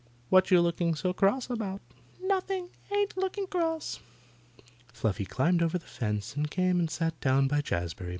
"What you looking so cross about?" "Nothing; ain't looking cross." Fluffy climbed over the fence and came and sat down by Jazbury.